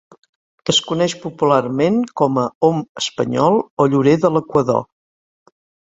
Es coneix popularment com a om espanyol o llorer de l'Equador.